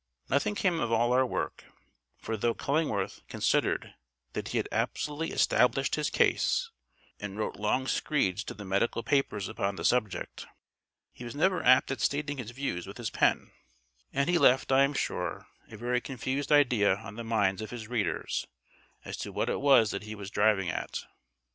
Nothing came of all our work; for though Cullingworth considered that he had absolutely established his case, and wrote long screeds to the medical papers upon the subject, he was never apt at stating his views with his pen, and he left, I am sure, a very confused idea on the minds of his readers as to what it was that he was driving at.